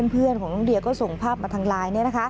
เพื่อนของน้องเดียก็ส่งภาพมาทางไลน์